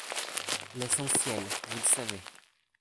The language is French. L’essentiel, vous le savez.